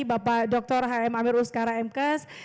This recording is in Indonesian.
bapak dr h m amir ustqara m kes